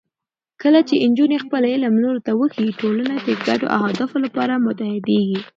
کله چې نجونې خپل علم نورو ته وښيي، ټولنه د ګډو اهدافو لپاره متحدېږي.